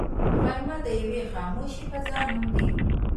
غرمه د یوې خاموشې فضا نوم دی